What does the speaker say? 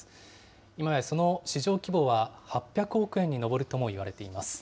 今や、その市場規模は８００億円に上るともいわれています。